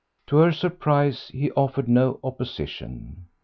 To her surprise, he offered no opposition.